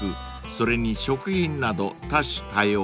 それに食品など多種多様］